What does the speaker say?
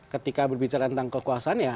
ketika berbicara tentang kekuasaan ya